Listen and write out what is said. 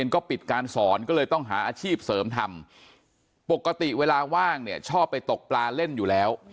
ก็ปิดการสอนก็เลยต้องหาอาชีพเสริมทำปกติเวลาว่างเนี่ยชอบไปตกปลาเล่นอยู่แล้ว